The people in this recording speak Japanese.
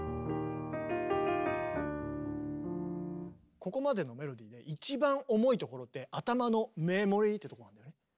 ここまでのメロディーで一番重いところって頭の「メモリー」ってとこなんだよね。